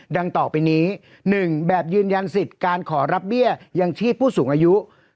ต่อไปนี้๑แบบยืนยันสิทธิ์การขอรับเบี้ยยังชีพผู้สูงอายุ